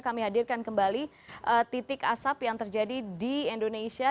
kami hadirkan kembali titik asap yang terjadi di indonesia